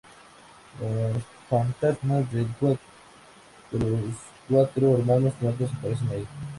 Los fantasmas de los cuatro hermanos muertos aparecen allí.